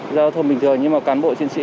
giao thông bình thường nhưng mà cán bộ chiến sĩ